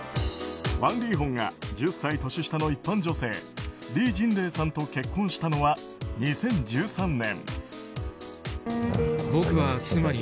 ワン・リーホンが１０歳年下の一般女性リー・ジンレイさんと結婚したのは２０１３年。